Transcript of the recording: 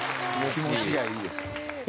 気持ちがいいです。